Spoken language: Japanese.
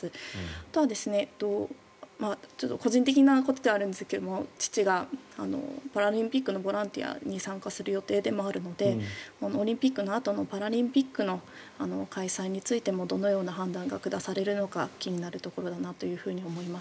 あとは、個人的なことではあるんですけれども父がパラリンピックのボランティアに参加する予定でもあるのでオリンピックのあとのパラリンピックの開催についてもどのような判断が下されるのか気になるところだなと思います。